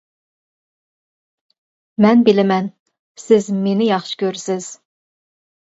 مەن بىلىمەن، سىز مېنى ياخشى كۆرىسىز.